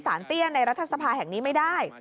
เตี้ยในรัฐสภาแห่งนี้ไม่ได้